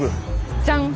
じゃん！